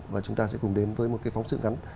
và chúng ta sẽ cùng đến với một cái phóng sức này